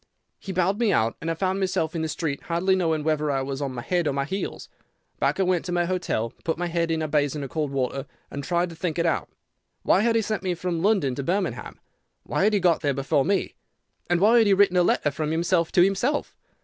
He bowed me out, and I found myself in the street, hardly knowing whether I was on my head or my heels. Back I went to my hotel, put my head in a basin of cold water, and tried to think it out. Why had he sent me from London to Birmingham? Why had he got there before me? And why had he written a letter from himself to himself?